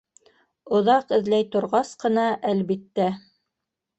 Оҙаҡ эҙләй торғас ҡына, әлбиттә.